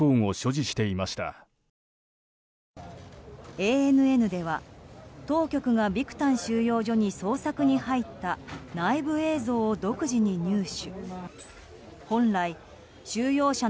ＡＮＮでは当局がビクタン収容所に捜索に入った内部映像を独自に入手。